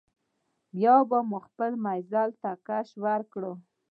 بیا مو خپل مزل ته کش ورکړ.